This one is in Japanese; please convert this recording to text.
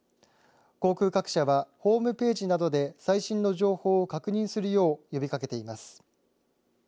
航空各社はホームページなどで最新の情報を確認するよう呼びかけています。